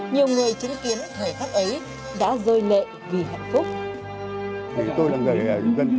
nhiều người chứng kiến thời pháp ấy đã rơi lệ vì hạnh phúc